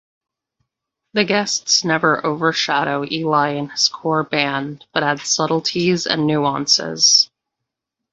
The guests never overshadow Eli and his core band but add subtleties and nuances.